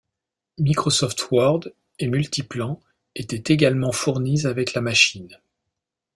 Microsoft Word et Multiplan étaient également fournis avec la machine.